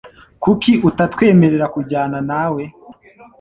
Kuki utatwemerera kujyana nawe